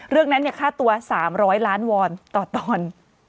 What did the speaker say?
เรื่องนั้นค่าตัว๓๐๐ล้านวอนต่อตอน